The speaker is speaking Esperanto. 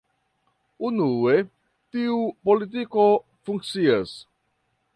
Unue, tiu politiko funkcias.